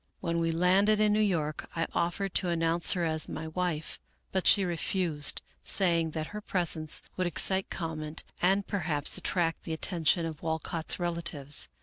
" When we landed in New York I offered to announce her as my wife, but she refused, saying that her presence would excite comment and perhaps attract the attention of Walcott's relatives.